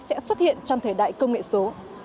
sẽ xuất hiện trong thời đại công nghệ số